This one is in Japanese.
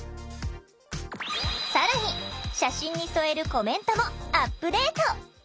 更に写真に添えるコメントもアップデート！